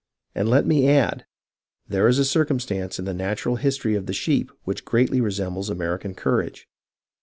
And let me add, there is a cir cumstance in the natural history of the sheep which greatly resembles American courage.